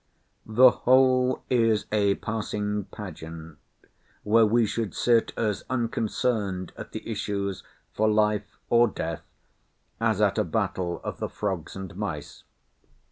The whole is a passing pageant, where we should sit as unconcerned at the issues, for life or death, as at a battle of the frogs and mice.